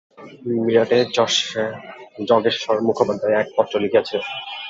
মীরাটের যজ্ঞেশ্বর মুখোপাধ্যায় এক পত্র লিখিয়াছেন।